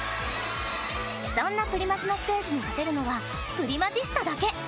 そんなプリマジのステージに立てるのはプリマジスタだけ。